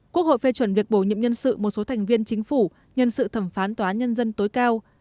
quốc hội phê chuẩn việc bổ nhiệm nhân sự một số thành viên chính phủ nhân sự thẩm phán tòa án nhân dân tối cao